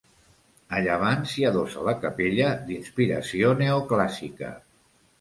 A llevant s'hi adossa la capella d'inspiració neoclàssica.